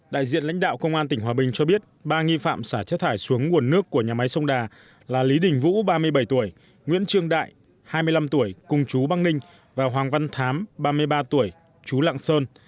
đại diện lãnh đạo công an tỉnh hòa bình cho biết ba nghi phạm xả chất thải xuống nguồn nước của nhà máy sông đà là lý đình vũ ba mươi bảy tuổi nguyễn trương đại hai mươi năm tuổi cùng chú băng ninh và hoàng văn thám ba mươi ba tuổi chú lạng sơn